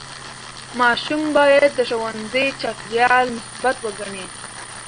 ماشوم باید د ښوونځي چاپېریال مثبت وګڼي.